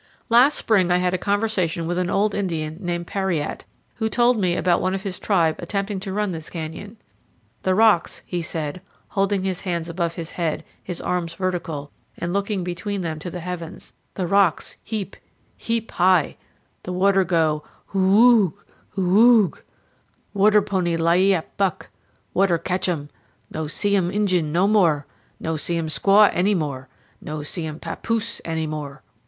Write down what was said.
Last spring I had a conversation with an old Indian named Páriate, who told me about one of his tribe attempting to run this canyon. "The rocks," he said, holding his hands above his head, his arms vertical, and looking between them to the heavens, "the rocks h e a p, powell canyons 96.jpg OVEN NEAR PESCADO PUEBLO. h e a p high; the water go h oo woogh, h oo woogh; water pony li e a p buck; water catch 'em; no see 'em Injun any more! no see 'em squaw any more! no see 'em papoose any more!"